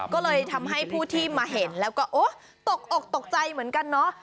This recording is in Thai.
ก็เลยทำให้ผู้ที่มาเห็นแล้วก็โอ๊ยตกอกตกใจเหมือนกันเนาะ